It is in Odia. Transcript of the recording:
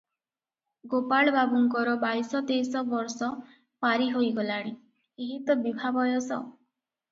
ଗୋପାଳ ବାବୁଙ୍କର ବାଇଶ ତେଇଶ ବର୍ଷ ପାରି ହୋଇଗଲାଣି, ଏହି ତ ବିଭା ବୟସ ।